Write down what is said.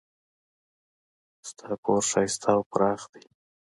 د تا کور ښایسته او پراخ ده